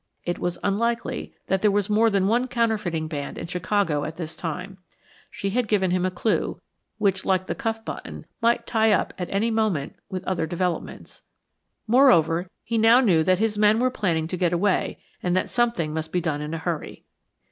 It was unlikely that there was more than one counterfeiting band in Chicago at this time. She had given him a clue, which, like the cuff button, might tie up at any moment with some other developments. Moreover, he now knew that his men were planning to get away and that something must be done in a hurry.